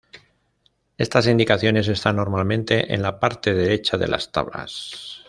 Estas indicaciones están normalmente en la parte derecha de las tablas.